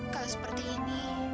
kalau seperti ini